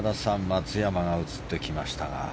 松山が映ってきましたが。